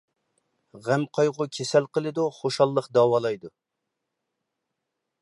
غەم-قايغۇ كېسەل قىلىدۇ، خۇشاللىق داۋالايدۇ.